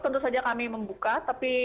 tentu saja kami membuka tapi